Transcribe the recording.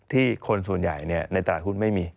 คนส่วนใหญ่ในตลาดหุ้นไม่มี